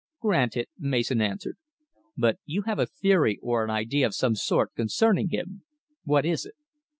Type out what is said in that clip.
"Granted," Mason answered. "But you have a theory or an idea of some sort concerning him. What is it?"